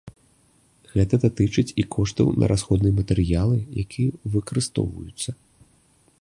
Гэта датычыць і коштаў на расходныя матэрыялы, якія выкарыстоўваюцца.